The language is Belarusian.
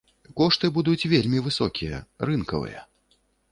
Кошты будуць вельмі высокія, рынкавыя.